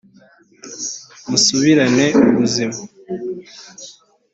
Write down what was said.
musubirane ubuzima